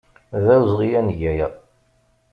D awezɣi ad neg aya.